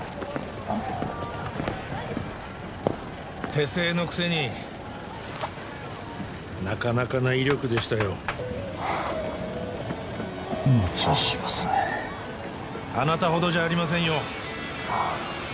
手製のくせになかなかな威力でしたよむちゃしますねあなたほどじゃありませんよ